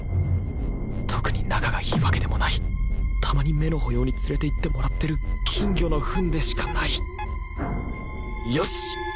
特に仲がいいわけでもないたまに目の保養に連れて行ってもらってる金魚のフンでしかないよしっ！